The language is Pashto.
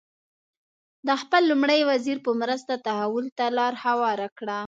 د خپل لومړي وزیر په مرسته تحول ته لار هواره کړه.